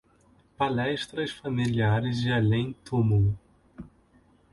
Palestras familiares de além-túmulo